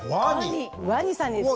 ワニさんです。